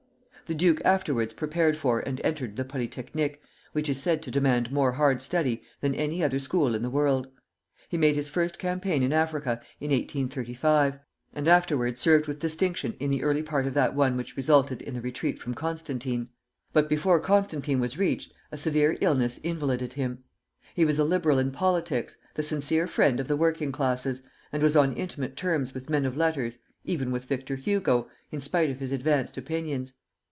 The duke afterwards prepared for and entered the Polytechnic, which is said to demand more hard study than any other school in the world. He made his first campaign in Africa in 1835, and afterwards served with distinction in the early part of that one which resulted in the retreat from Constantine; but before Constantine was reached, a severe illness invalided him. He was a liberal in politics, the sincere friend of the working classes, and was on intimate terms with men of letters, even with Victor Hugo, in spite of his advanced opinions.